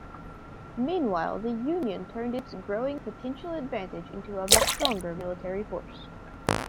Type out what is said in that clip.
Meanwhile, the Union turned its growing potential advantage into a much stronger military force.